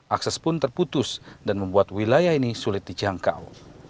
akses pun terputus dan membuat wilayah ini sulit dijangkau